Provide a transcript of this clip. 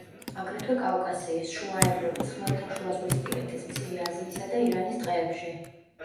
აგრეთვე კავკასიის, შუა ევროპის, ხმელთაშუაზღვისპირეთის, მცირე აზიისა და ირანის ტყეებში.